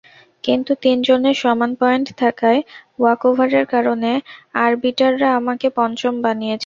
কিন্তু তিনজনের সমান পয়েন্ট থাকায়, ওয়াকওভারের কারণে আরবিটাররা আমাকে পঞ্চম বানিয়েছে।